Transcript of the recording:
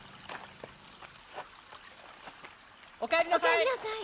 お帰りなさい。